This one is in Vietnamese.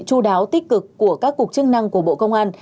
chú đáo tích cực của các cục chức năng của bộ công an